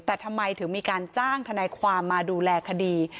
แต่ทำไมถึงมีการจ้างทนายความมาดูแลคดี